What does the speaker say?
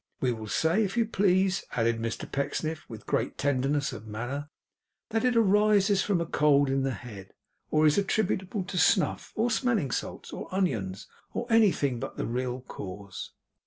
We will say, if you please,' added Mr Pecksniff, with great tenderness of manner, 'that it arises from a cold in the head, or is attributable to snuff, or smelling salts, or onions, or anything but the real cause.